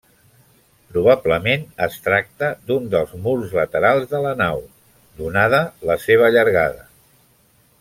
Probablement es tracta d'un dels murs laterals de la nau, donada la seva llargada.